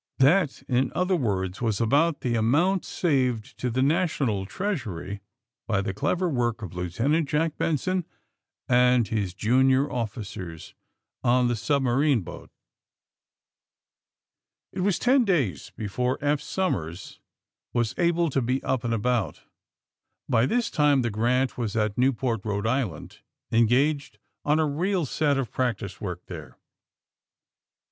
That, in other words, was about the amount saved to the national treasury by the clever work of Lieutenant Jack Benson and his junior officers on the submarine boat. It was ten days before Eph Somers was able to be up and about. By this time the '^ Grant'* was at Newport, E. I.^ engaged on a real set of practice work there.